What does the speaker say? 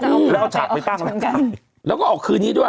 อืมแล้วเอาฉากไปตั้งแล้วกันแล้วก็ออกคืนนี้ด้วย